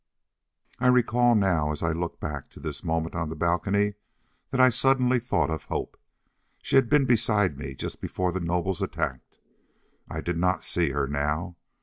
I recall now, as I look back to this moment on the balcony, that I suddenly thought of Hope. She had been beside me just before the nobles attacked. I did not see her now.